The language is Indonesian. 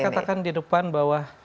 katakan di depan bahwa